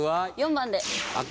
４番で。